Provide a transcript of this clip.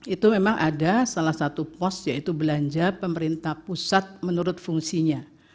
itu memang ada salah satu pos yaitu belanja pemerintah pusat menurut fungsinya